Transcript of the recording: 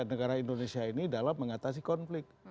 negara indonesia ini dalam mengatasi konflik